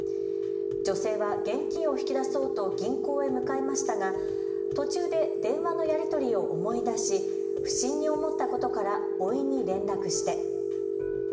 女性は現金を引き出そうと銀行へ向かいましたが途中で電話のやり取りを思い出し不審に思ったことからおいに連絡して。